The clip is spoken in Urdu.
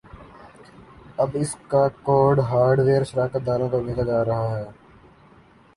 اب اسکا کوڈ ہارڈوئیر شراکت داروں کو بھیجا جارہا ہے